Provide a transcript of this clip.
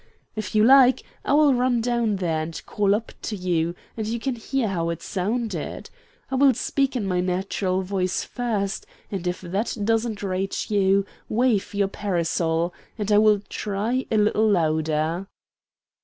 If you like, I will run down there and call up to you, and you can hear how it sounded. I will speak in my natural voice first, and if that doesn't reach you, wave your parasol, and I will try it a little louder."